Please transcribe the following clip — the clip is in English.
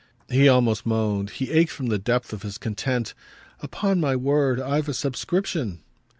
He almost moaned, he ached, from the depth of his content. "Upon my word I've a subscription!"